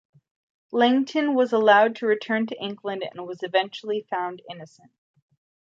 Langton was allowed to return to England and his was eventually found innocent.